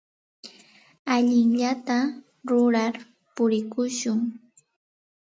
Allinllata rurar purikushun.